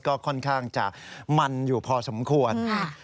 ก็ค่อนข้างจะมันอยู่พอสมควร